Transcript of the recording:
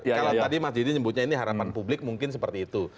kalau tadi mas didi nyebutnya ini harapan publik mungkin seperti itu